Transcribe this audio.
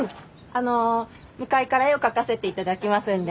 あの向かいから絵を描かせて頂きますんで。